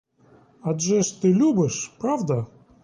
Адже ж ти любиш, правда?